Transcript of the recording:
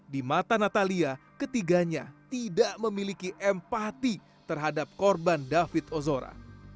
di mata natalia ketiganya tidak memiliki empati terhadap korban david ozora